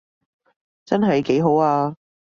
真係幾好啊